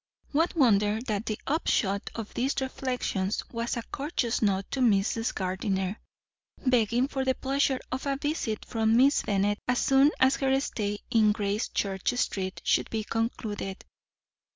What wonder that the upshot of these reflections was a courteous note to Mrs. Gardiner, begging for the pleasure of a visit from Miss Bennet as soon as her stay in Gracechurch Street should be concluded.